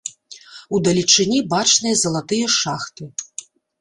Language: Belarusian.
Удалечыні бачныя залатыя шахты.